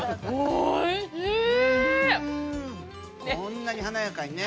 こんなに華やかにね